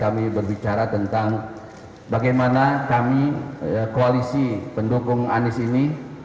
kami berbicara tentang bagaimana kami koalisi pendukung anies ini